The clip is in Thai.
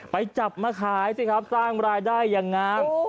ไปจับมาขายสิครับสร้างรายได้อย่างงาม